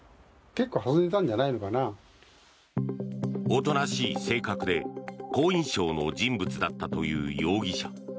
おとなしい性格で好印象の人物だったという容疑者。